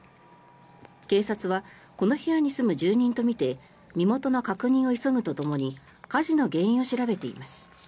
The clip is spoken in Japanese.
警察はこの部屋に住む住人とみて身元の確認を急ぐとともに火事の原因を調べています。